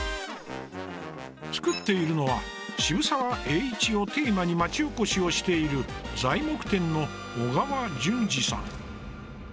作っているのは渋沢栄一をテーマに町おこしをしている材木店の小川純司さん。